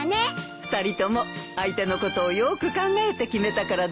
２人とも相手のことをよく考えて決めたからだね。